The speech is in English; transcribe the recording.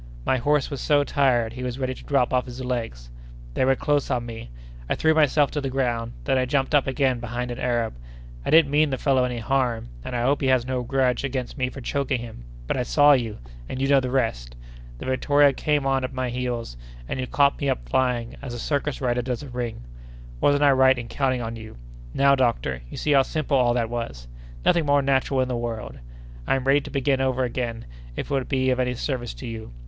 My horse was so tired, he was ready to drop off his legs; they were close on me; I threw myself to the ground; then I jumped up again behind an Arab! I didn't mean the fellow any harm, and I hope he has no grudge against me for choking him, but I saw you—and you know the rest. The Victoria came on at my heels, and you caught me up flying, as a circus rider does a ring. Wasn't I right in counting on you? Now, doctor, you see how simple all that was! Nothing more natural in the world! I'm ready to begin over again, if it would be of any service to you.